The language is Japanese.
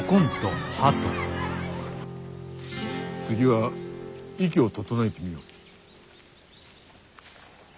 次は息を整えてみよ。へ